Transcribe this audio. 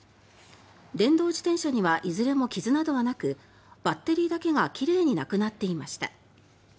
電動自転車にはいずれも傷などはなくバッテリーだけが奇麗になくなっていました。